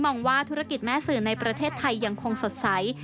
องว่าธุรกิจแม่สื่อในประเทศไทยยังคงสดใส